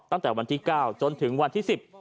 ตั้งแต่วันที่๙จนถึงวันที่๑๐